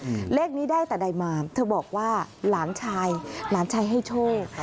อืมเลขนี้ได้แต่ใดมาเธอบอกว่าหลานชายหลานชายให้โชค